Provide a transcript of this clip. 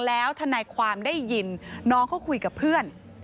แล้วทนายความได้ยินน้องเขาคุยกับเพื่อน